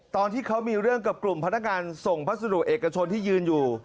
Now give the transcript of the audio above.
ตอนที่เขามีเรื่องกับกลุ่มพนักงานส่งพัสดุเอกชนที่ยืนอยู่